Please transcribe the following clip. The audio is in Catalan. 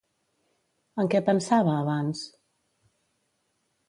En què pensava abans?